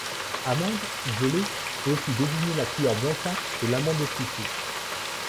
Amande, isolé, peut aussi désigner la couleur blanchâtre de l'amande épluchée.